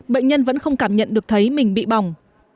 bệnh nhân vẫn không cảm nhận được thấy mình bị bỏng